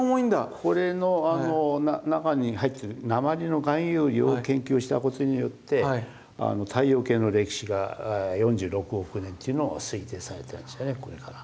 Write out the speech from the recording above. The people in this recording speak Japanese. これの中に入ってる鉛の含有量を研究したことによって太陽系の歴史が４６億年というのを推定されてるんですよねこれから。